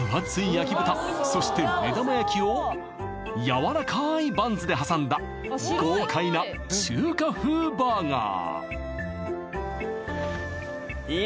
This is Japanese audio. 焼豚そして目玉焼きをやわらかいバンズで挟んだ豪快な中華風バーガー